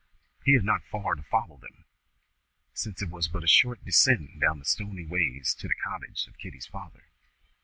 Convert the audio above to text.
He had not far to follow them, since it was but a short descent down the stony ways to the cottage of Kitty's father.